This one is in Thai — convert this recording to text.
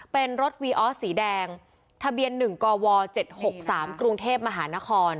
เป็นรถวีออสสีแดงทะเบียน๑กว๗๖๓กรุงเทพมหานคร